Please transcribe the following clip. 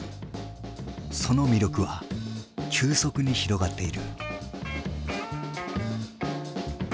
その魅力は急速に広がっている。